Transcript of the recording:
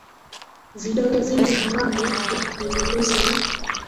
vidonge vingi haramu vya kutegemeza ni